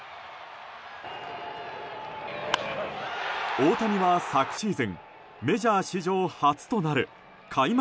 大谷は、昨シーズンメジャー史上初となる開幕